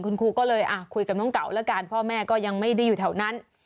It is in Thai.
คุณครูก็เลยคุยกับน้องเก่าแล้วกันพ่อแม่ก็ยังไม่ได้อยู่แถวนั้น